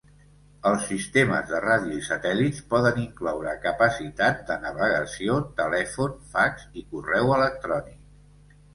Els sistemes de ràdio i satèl·lits poden incloure capacitats de navegació, telèfon, fax i correu electrònic.